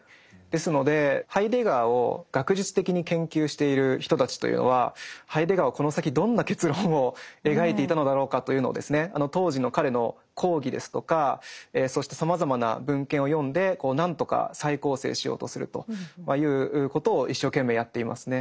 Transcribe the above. ですのでハイデガーを学術的に研究している人たちというのはハイデガーはこの先どんな結論を描いていたのだろうかというのを当時の彼の講義ですとかそしてさまざまな文献を読んで何とか再構成しようとするということを一生懸命やっていますね。